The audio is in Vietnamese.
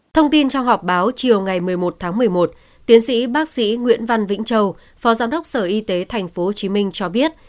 thông tin trong họp báo chiều ngày một mươi một tháng một mươi một tiến sĩ bác sĩ nguyễn văn vĩnh châu phó giám đốc sở y tế tp hcm cho biết